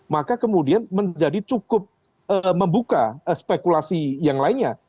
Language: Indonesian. maka kemudian menjadi cukup membuka spekulasi yang lainnya